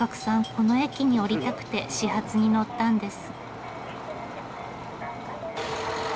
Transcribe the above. この駅に降りたくて始発に乗ったんです。